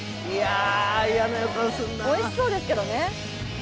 おいしそうですけどね